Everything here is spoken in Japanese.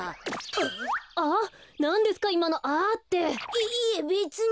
いいいえべつに。